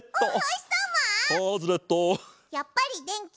やっぱりでんき？